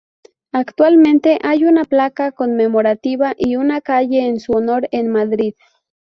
Actualmente hay una placa conmemorativa y una calle en su honor en Madrid.